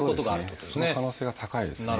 その可能性が高いですね。